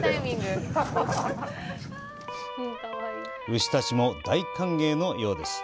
牛たちも大歓迎のようです！